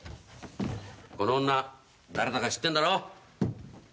この女誰だか知ってんだろ？